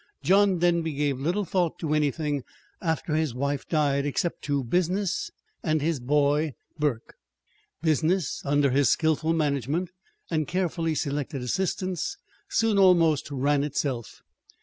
John Denby gave little thought to anything, after his wife died, except to business and his boy, Burke. Business, under his skillful management and carefully selected assistants, soon almost ran itself.